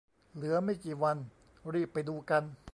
เหลือไม่กี่วัน รีบไปดูกัน